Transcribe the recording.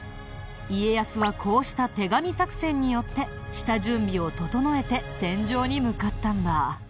家康はこうした手紙作戦によって下準備を整えて戦場に向かったんだ。